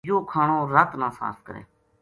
یوہ کھانو رَت نا صاف کرے